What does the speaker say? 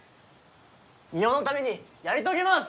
日本のためにやり遂げます！